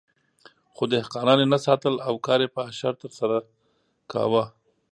خو دهقانان یې نه ساتل او کار یې په اشر سره ترسره کاوه.